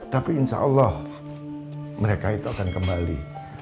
tapi insya allah mereka itu akan kembali